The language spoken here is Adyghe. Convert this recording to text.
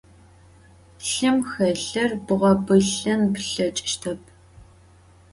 Lhım xelhır bğebılhın plheç'ıştep.